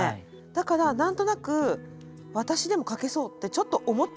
だから何となく「私でも書けそう」ってちょっと思っちゃうけど。